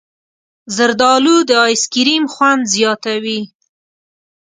زردالو د ایسکریم خوند زیاتوي.